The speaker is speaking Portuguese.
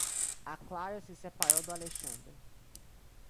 A Clara se separou do Alexandre.